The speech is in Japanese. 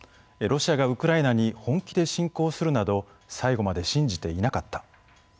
ロシアがウクライナに本気で侵攻するなど最後まで信じていなかった。